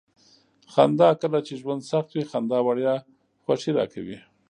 خندا: کله چې ژوند سخت وي. خندا وړیا خوښي راکوي.